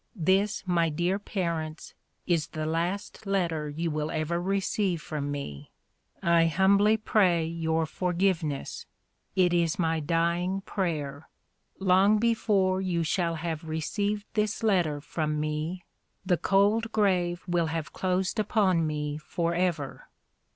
This, my dear parents, is the last letter you will ever receive from me. I humbly pray your forgiveness. It is my dying prayer. Long before you shall have received this letter from me the cold grave will have closed upon me forever.